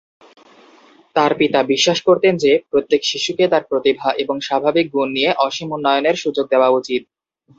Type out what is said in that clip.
তাঁর পিতা বিশ্বাস করতেন যে, প্রত্যেক শিশুকে তার প্রতিভা এবং স্বাভাবিক গুণ নিয়ে অসীম উন্নয়নের সুযোগ দেওয়া উচিত।